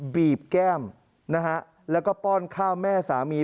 บีบแก้มนะฮะแล้วก็ป้อนข้าวแม่สามี